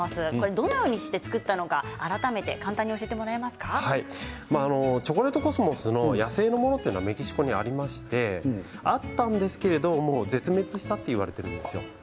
どのようにして作ったのかチョコレートコスモスの野生のものはメキシコにありましてあったんですけれど絶滅したといわれているんですよ。